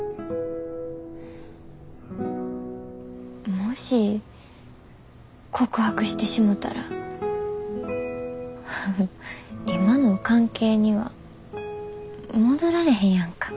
もし告白してしもたら今の関係には戻られへんやんか。